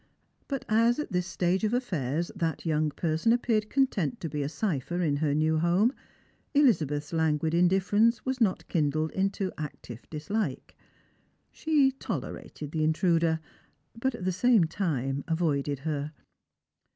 But as at this stage of affairs that young person appeared content to be a cipher in her new home, Elizabeth's languid indifference was not kindled into active dislike. She tolerated the intruder, but at the same time avoided her.